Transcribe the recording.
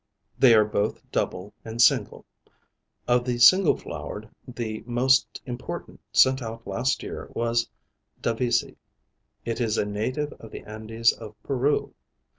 They are both double and single. Of the single flowered, the most important sent out last year was Davisii. It is a native of the Andes of Peru.